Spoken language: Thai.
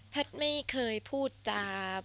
แพทย์ไม่เคยพูดจา